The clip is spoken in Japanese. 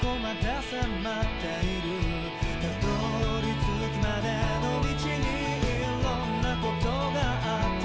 「辿り着くまでの道にいろんなことがあったよな」